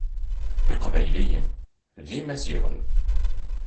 Iqbayliyen d imaziɣen.